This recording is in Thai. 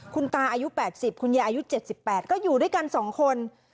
คุณตาอายุ๘๐คุณยายอายุ๗๘ก็อยู่ด้วยกัน๒คน